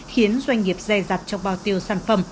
khiến doanh nghiệp dè dặt trong bao tiêu sản phẩm